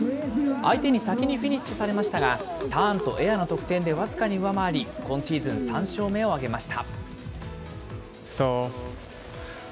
相手に先にフィニッシュされましたが、ターンとエアの得点で僅かに上回り、今シーズン３勝目を挙げました。